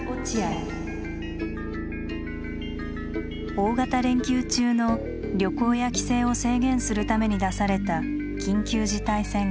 大型連休中の旅行や帰省を制限するために出された緊急事態宣言。